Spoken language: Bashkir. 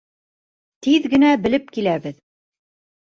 Тиҙ генә белеп киләбеҙ.